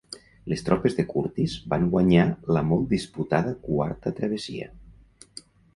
Les tropes de Curtis van guanyar la molt disputada quarta travessia.